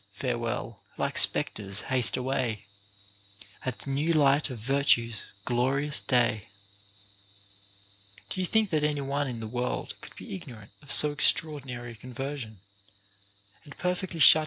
farewell, like spectres haste away, At the new light of virtue's glorious day ;* do you think that any one in the world could be ignorant of so extraordinary a conversion, and perfectly shut his * Eurip.